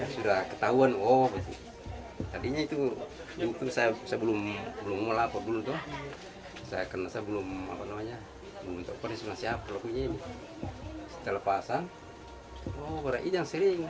setelah pasang oh berani yang sering